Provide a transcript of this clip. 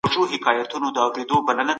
هغه علم او اخلاق يوځای کوي.